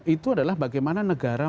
itu adalah bagaimana negara